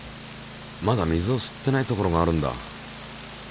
まだ水を吸ってないところがあるんだ。